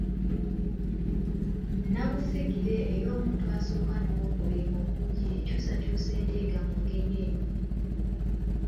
Nnabusigire ey’omuntu asooka n’ow’okubiri mu bungi ekyusakyusa endeega mu ngeri eno: